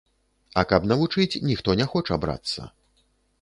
А каб навучыць, ніхто не хоча брацца.